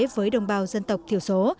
với đồng bào dân tộc thiểu số